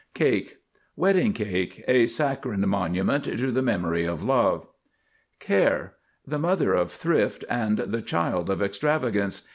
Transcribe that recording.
CAKE, Wedding Cake. A saccharine monument to the memory of Love. CARE. The Mother of Thrift and the Child of Extravagance.